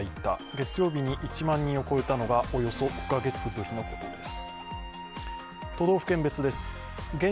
月曜日に１万人を超えたのが、およそ５カ月ぶりのことです。